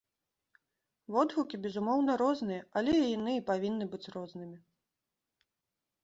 Водгукі, безумоўна, розныя, але яны і павінны быць рознымі.